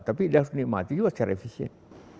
tapi dia harus dinikmati juga secara efisien